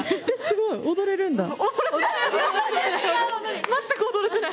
すごい！踊れるんだ。